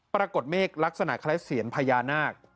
ปรากฏเมฆลักษณะคล้ายเสียนพญานาค